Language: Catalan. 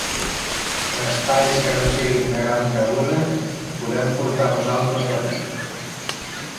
En espais que no siguin de gran cabuda, podem portar nosaltres l'equip.